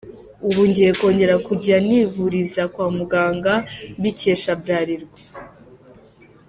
Ubu ngiye kongera kujya nivuriza kwa muganga mbikesha Bralirwa.